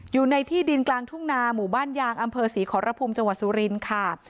อยู่ในที่ดินกลางทุ่งนาหมู่บ้านยางอำเภอศรีขอรพุมจังหวัดสุรินทร์ค่ะ